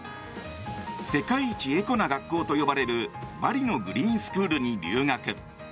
世界一エコな学校と呼ばれるバリのグリーンスクールに留学。